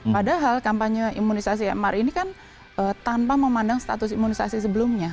padahal kampanye imunisasi mr ini kan tanpa memandang status imunisasi sebelumnya